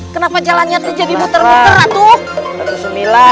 satu ratus tujuh kenapa jalannya jadi muter muter tuh